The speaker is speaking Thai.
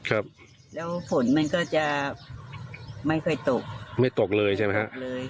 ครับแล้วฝนมันก็จะไม่ค่อยตกไม่ตกเลยใช่ไหมฮะเลย